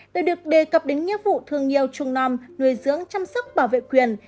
đều được đề cập đến nhiệm vụ thường nhiều trung non nuôi dưỡng chăm sóc bảo vệ quyền